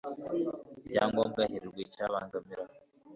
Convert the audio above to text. rya ngombwa hirindwa icyabangamira